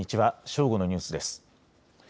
正午のニュースです。